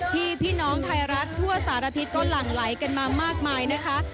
พี่น้องไทยรัฐทั่วสารทิศก็หลั่งไหลกันมามากมายนะคะ